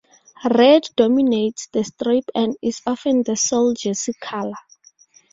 Red dominates the strip and is often the sole jersey colour.